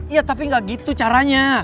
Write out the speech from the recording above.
iya tapi nggak gitu caranya